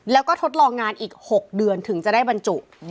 แล้วก็ทดลองงานอีก๖เดือนถึงจะได้บรรจุ